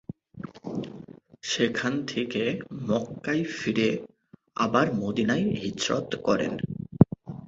সেখান থেকে মক্কায় ফিরে আবার মদীনায় হিজরত করেন।